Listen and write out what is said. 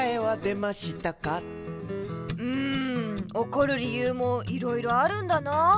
んおこる理ゆうもいろいろあるんだな。